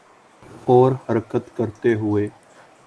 اور حرکت کرتے ہوئے